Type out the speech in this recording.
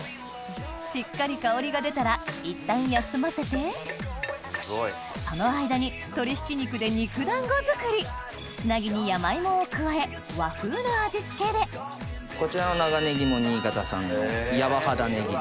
しっかり香りが出たらいったん休ませてその間に鶏ひき肉で肉団子作りつなぎに山芋を加え和風の味付けでこちらの長ネギも新潟産の。